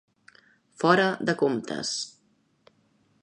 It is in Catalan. Fora de comptes.